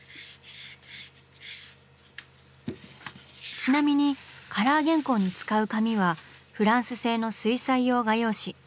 ちなみにカラー原稿に使う紙はフランス製の水彩用画用紙。